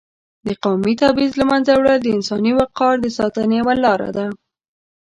د قومي تبعیض له منځه وړل د انساني وقار د ساتنې یوه لار ده.